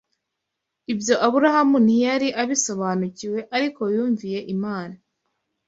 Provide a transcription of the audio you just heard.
Ibyo Aburahamu ntiyari abisobanukiwe ariko yumviye Imana